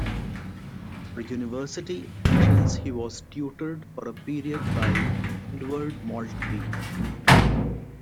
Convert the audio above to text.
For university entrance he was tutored for a period by Edward Maltby.